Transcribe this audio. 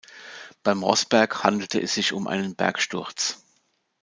Beim Rossberg handelte es sich um einen Bergsturz.